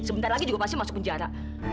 sebentar lagi juga pasti masuk penjara